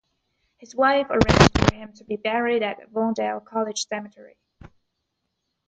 His wife arranged for him to be buried at Avondale College cemetery.